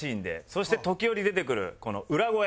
そして時折出てくる裏声。